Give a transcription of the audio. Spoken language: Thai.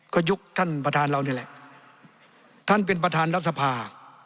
ก็ยุคท่านประธานเรานี่แหละท่านเป็นประธานรัฐสภา